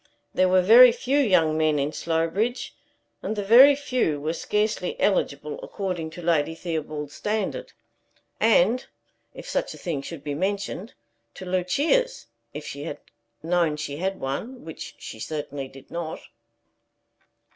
There were very few young men in Slowbridge; and the very few were scarcely eligible according to Lady Theobald's standard, and if such a thing should be mentioned to Lucia's, if she had known she had one, which she certainly did not.